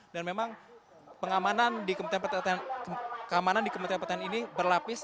dan memang pengamanan di kementerian pertanian ini berlapis